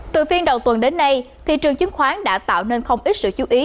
từ phiên đầu tuần đến nay thị trường chứng khoán đã tạo nên không ít sự chú ý